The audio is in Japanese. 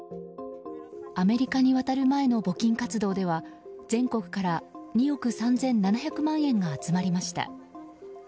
アメリカに渡る前の募金活動では全国から２億３７００万円が集まりました。